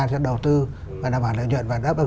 cho đầu tư và đảm bảo lợi nhuận và đáp ứng